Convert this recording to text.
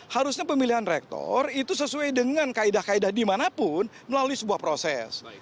harusnya pemilihan rektor itu sesuai dengan kaedah kaedah dimanapun melalui sebuah proses